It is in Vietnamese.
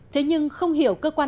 thế nhưng không hiểu cơ quan